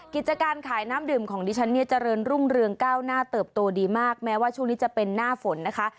กิจการขายน้ำดื่มของดิฉันเนี่ยเจริญรุ่งเรืองก้าวหน้าเติบโตดีมากแม้ว่าช่วงนี้จะเป็นหน้าฝนนะคะ